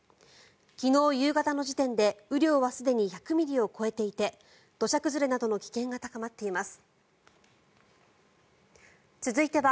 昨日夕方の時点で、雨量はすでに１００ミリを超えていて土砂崩れなどの危険が高まっています。